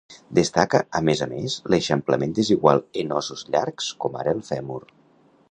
Destaca a més a més l'eixamplament desigual en ossos llargs com ara el fèmur.